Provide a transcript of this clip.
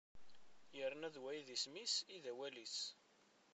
Yerna d wa i d isem-is i d awal-is.